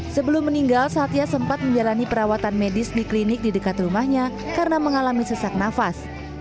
sebelum meninggal satya sempat menjalani perawatan medis di klinik di dekat rumahnya karena mengalami sesak nafas